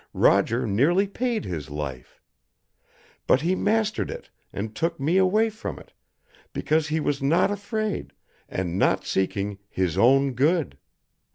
Roger nearly paid his life. But he mastered It and took me away from It, because he was not afraid and not seeking his own good.